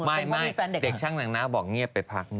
ไม่เด็กช่างหนังน้าบอกเงียบไปพัก